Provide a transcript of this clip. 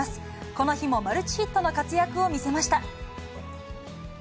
この日もマルチヒットの活躍を見せました。